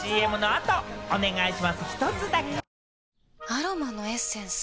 アロマのエッセンス？